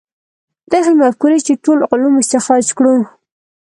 دغې مفکورې چې ټول علوم استخراج کړو.